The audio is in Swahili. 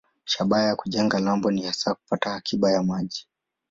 Shabaha ya kujenga lambo ni hasa kupata akiba ya maji.